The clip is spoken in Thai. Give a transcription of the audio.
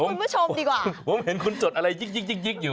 คุณผู้ชมดีกว่าผมเห็นคุณจดอะไรยิกยิกอยู่